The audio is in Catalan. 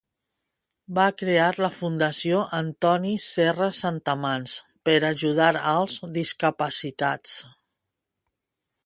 Va crear la Fundació Antoni Serra Santamans per ajudar als discapacitats.